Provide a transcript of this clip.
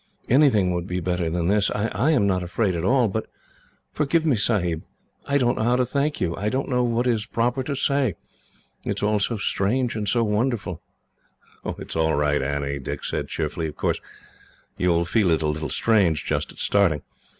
Anything would be better than this. I am not afraid at all. "But forgive me, Sahib. I don't know how to thank you. I don't know what is proper to say. It is all so strange and so wonderful." "Oh, that is all right, Annie," Dick said cheerfully. "Of course, you will feel it a little strange, just at starting.